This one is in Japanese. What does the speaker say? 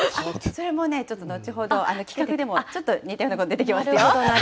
それもね、ちょっと後ほど、企画でもちょっと出てきますよ。